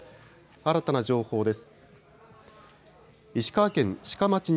新たな情報です。